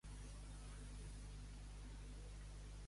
Qui va ser Alfhild?